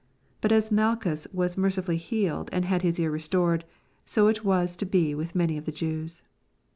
But as Malchus was mercifully headed and had his ear restored, so was it to be with many of the Jews.